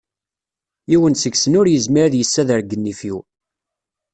Yiwen seg-sen ur yezmir ad yesader deg nnif-iw.